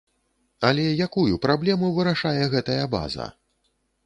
Але якую праблему вырашае гэтая база?